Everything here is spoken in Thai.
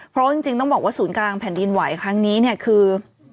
เพราะว่าจริงต้องบอกว่าศูนย์กลางแผ่นดินไหวครั้งนี้เนี่ยคือ